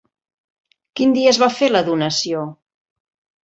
Quin dia es va fer la donació?